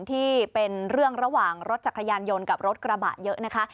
ที่เป็นเรื่องระหว่างรถจักรยานยนต์กับรถกระบะเยอะนะคะ